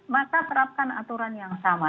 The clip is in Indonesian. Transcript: maka terapkan aturan yang sama